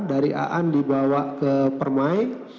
dari aan dibawa ke permai